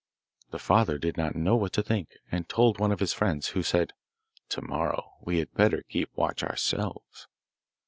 The father did not know what to think, and told one of his friends, who said, 'To morrow we had better keep watch ourselves.